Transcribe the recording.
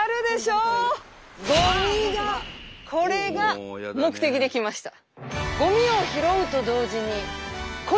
これが目的で来ました。